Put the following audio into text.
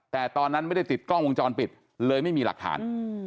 แต่ตอนนั้นไม่ได้ติดกล้องวงจรปิดเลยไม่มีหลักฐาน